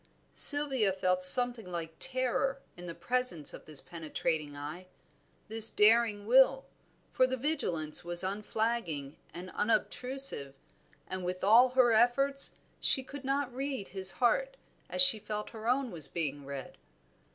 Sylvia felt something like terror in the presence of this penetrating eye, this daring will, for the vigilance was unflagging and unobtrusive, and with all her efforts she could not read his heart as she felt her own was being read.